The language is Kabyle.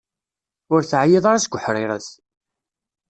Ur teɛyiḍ ara seg uḥṛiṛet?